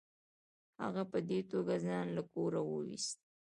هغه په دې توګه ځان له کوره وایست.